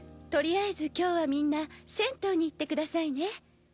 取りあえず今日はみんな銭湯に行って下さいね